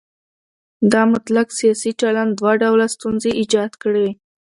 دا مطلق سیاسي چلن دوه ډوله ستونزې ایجاد کړي.